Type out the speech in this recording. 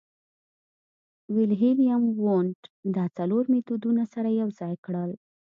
ویلهیلم وونت دا څلور مېتودونه سره یوځای کړل